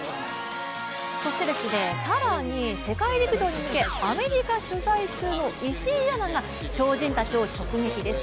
更に、世界陸上に向けアメリカ取材中の石井アナが超人たちを直撃です。